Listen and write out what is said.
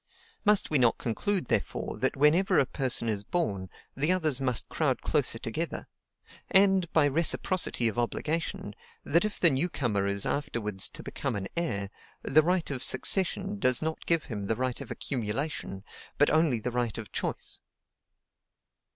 Must we not conclude, therefore, that whenever a person is born, the others must crowd closer together; and, by reciprocity of obligation, that if the new comer is afterwards to become an heir, the right of succession does not give him the right of accumulation, but only the right of choice?